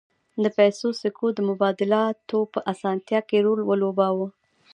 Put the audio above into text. د پیسو سکو د مبادلاتو په اسانتیا کې رول ولوباوه